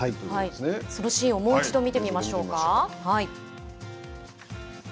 そのシーンをもう一度、見てみましょうか。